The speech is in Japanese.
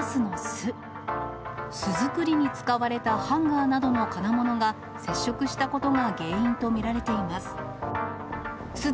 巣作りに使われたハンガーなどの金物が接触したことが原因と見られています。